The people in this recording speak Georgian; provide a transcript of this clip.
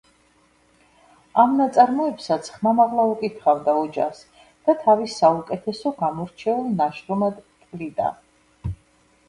ამ ნაწარმოებსაც ხმამაღლა უკითხავდა ოჯახს და თავის საუკეთესო, გამორჩეულ ნაშრომად თვლიდა.